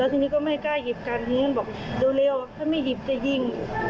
อันนี้บอกเร็วแบบถ้าไม่หยิบก็จะยิ่ง